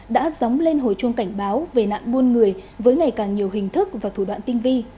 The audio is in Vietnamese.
đã dóng lên hồi chuông cảnh báo về nạn buôn người với ngày càng nhiều hình thức và thủ đoạn tinh vi